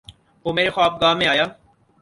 وہ میرے خواب گاہ میں آیا